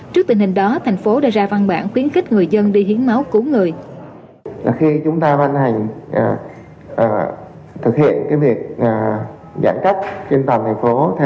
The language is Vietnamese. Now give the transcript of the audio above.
trước tình hình đó thành phố đã ra văn bản khuyến khích người dân đi hiến máu cứu người